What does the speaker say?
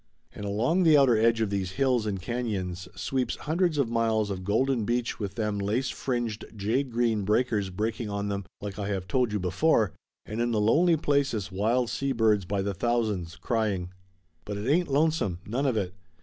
And along the outer edge of these hills and canons sweeps hundreds of miles of golden beach with them lace fringed jade green break ers breaking on them, like I have told you before, and in the lonely places, wild sea birds by the thousands, crying. But it ain't lonesome, none of it.